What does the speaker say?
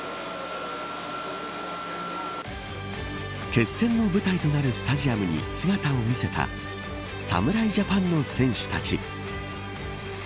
決戦の舞台となるスタジアムに姿を見せた侍ジャパンの選手たち。